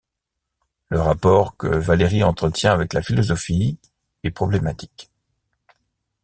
Le rapport que Valéry entretient avec la philosophie est problématique.